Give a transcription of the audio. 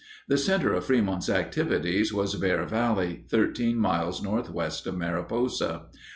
The center of Frémont's activities was Bear Valley, thirteen miles northwest of Mariposa.